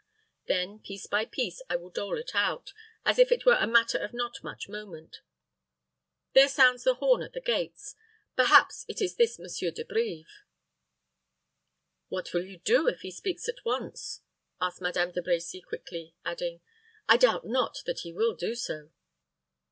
Then, piece by piece, I will dole it out, as if it were a matter of not much moment. There sounds the horn at the gates. Perhaps it is this Monsieur De Brives." "What will you do if he speaks at once?" asked Madame De Brecy quickly, adding, "I doubt not that he will do so."